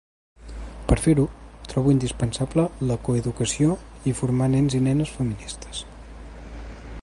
Per fer-ho, trobo indispensable la coeducació i formar nens i nenes feministes.